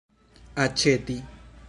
aĉeti